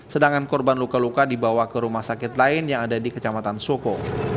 sedangkan korban luka luka dibawa ke rumah sakit lain yang ada di kecamatan soko